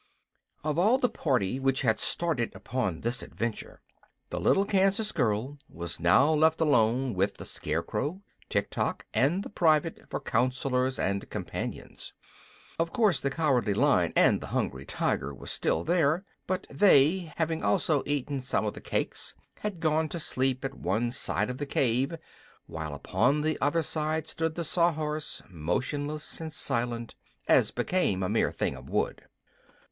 Of all the party which had started upon this adventure, the little Kansas girl was now left alone with the Scarecrow, Tiktok, and the private for counsellors and companions. Of course the Cowardly Lion and the Hungry Tiger were still there, but they, having also eaten some of the cakes, had gone to sleep at one side of the cave, while upon the other side stood the Sawhorse, motionless and silent, as became a mere thing of wood.